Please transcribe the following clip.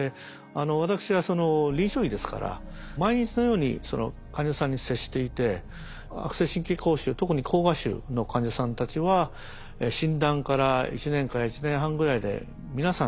私は臨床医ですから毎日のように患者さんに接していて悪性神経膠腫特に膠芽腫の患者さんたちは診断から１年から１年半ぐらいで皆さん亡くなってしまう。